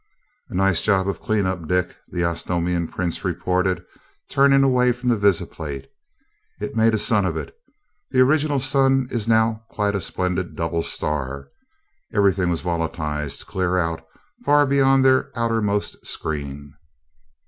"A nice job of clean up, Dick," the Osnomian prince reported, turning away from the visiplate. "It made a sun of it the original sun is now quite a splendid double star. Everything was volatized, clear out, far beyond their outermost screen."